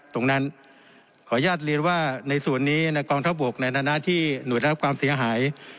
ตรงนั้นขอญาติเรียนว่าในส่วนนี้ในกองทัพหกในธนาที่หน่วยรับความเสียหาย